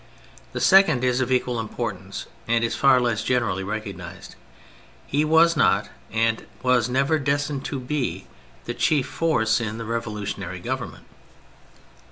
The second is of equal importance, and is far less generally recognised. He was not, and was never destined to be, the chief force in the revolutionary Government.